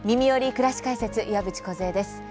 くらし解説」岩渕梢です。